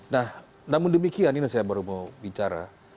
nah namun demikian ini saya baru mau bicara